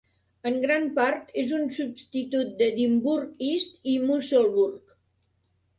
En gran part és un substitut d'Edinburgh East i Musselburgh.